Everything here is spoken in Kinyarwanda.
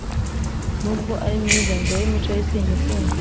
nubwo arimwiza ngewe imico ye sinyikunda